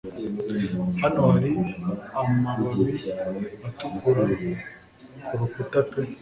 Hano hari amababi atukura ku rukuta pe